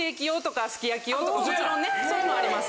そういうのあります。